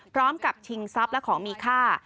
พร้อมกับชิงทรัพย์และของมีค่า